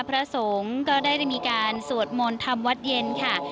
พระสงฆ์ก็ได้มีการสวดมนต์ทำวัดเย็นค่ะ